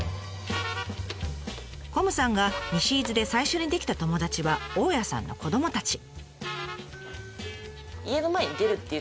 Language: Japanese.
こむさんが西伊豆で最初に出来た友達は大家さんの子どもたち。